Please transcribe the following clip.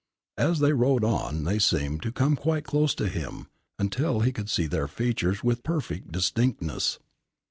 As they rode on they seemed to come quite close to him, until he could see their features with perfect distinctness.